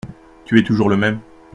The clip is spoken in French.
Tu es toujours le même.